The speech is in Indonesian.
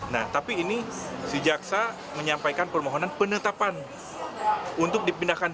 nah tapi ini si jaksa menyampaikan permohonan penetapan untuk dipindahkan